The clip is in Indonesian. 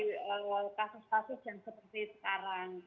dari kasus kasus yang seperti sekarang